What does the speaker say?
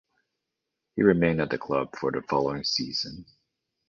He remained at the club for the following season.